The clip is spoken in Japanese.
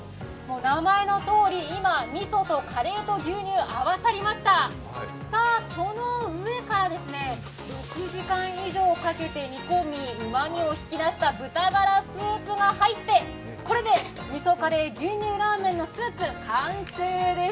名前のとおり今、みそとカレーと牛乳が合わさりました、さあ、その上から６時間以上かけて煮込みうまみを引き出した豚バラスープが入ってこれで味噌カレー牛乳ラーメンのスープ完成です。